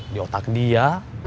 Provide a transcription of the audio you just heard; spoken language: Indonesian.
di otak dia